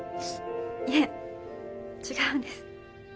いえ違うんです。